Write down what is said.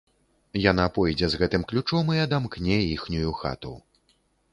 Яна пойдзе з гэтым ключом і адамкне іхнюю хату.